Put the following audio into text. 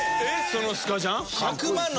そのスカジャン。